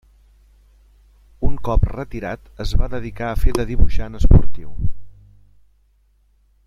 Un cop retirat es va dedicar a fer de dibuixant esportiu.